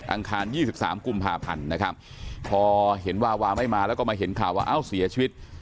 องคาร๒๓กุมภาพันธ์นะครับพอเห็นวาวาไม่มาแล้วก็มาเห็นข่าวว่าเอ้าเสียชีวิต